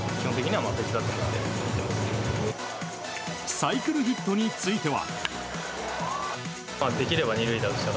サイクルヒットについては。